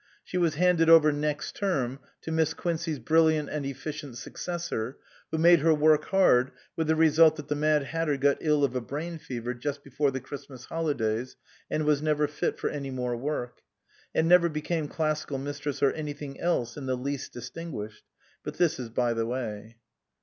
She was handed over next term to Miss Quincey's brilliant and effi cient successor, who made her work hard, with the result that the Mad Hatter got ill of a brain fever just before the Christmas holidays and was never fit for any more work ; and never became Classical Mistress or anything else in the least distinguished. But this is by the way.